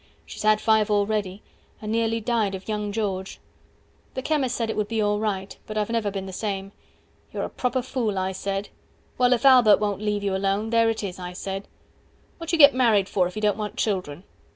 (She's had five already, and nearly died of young George.) 160 The chemist said it would be alright, but I've never been the same. You are a proper fool, I said. Well, if Albert won't leave you alone, there it is, I said, What you get married for if you don't want children?